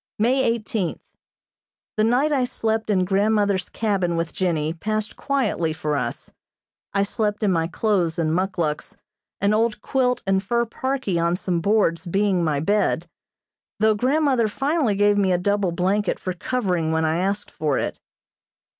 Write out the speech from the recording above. May eighteenth: The night I slept in grandmother's cabin with Jennie passed quietly for us. I slept in my clothes and muckluks, an old quilt and fur parkie on some boards being my bed, though grandmother finally gave me a double blanket for covering when I asked for it.